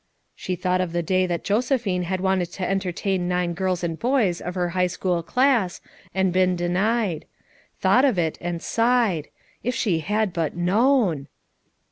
She thought of the day that Josephine had wanted to entertain nine girls and boys of her high school class, and been denied; thought of it and sighed; if she had but known!